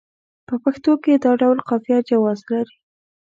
په پښتو کې دا ډول قافیه جواز لري.